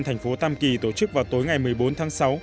thành phố tam kỳ tổ chức vào tối ngày một mươi bốn tháng sáu